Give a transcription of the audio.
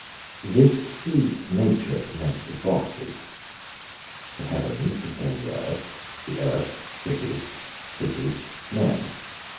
This is nature's nest of boxes: the heavens contain the earth; the earth, cities; cities, men.